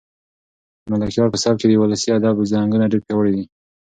د ملکیار په سبک کې د ولسي ادب رنګونه ډېر پیاوړي دي.